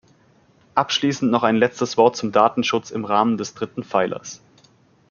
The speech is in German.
Abschließend noch ein letztes Wort zum Datenschutz im Rahmen des dritten Pfeilers.